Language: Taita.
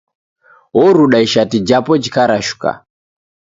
Oruda ishati japo jikarashuka.